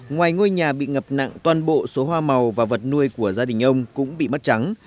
ngoài ngôi nhà bị ngập nặng toàn bộ số hoa màu và vật nuôi của gia đình ông cũng bị mất trắng